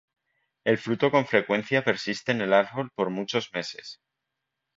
El fruto con frecuencia persiste en el árbol por muchos meses.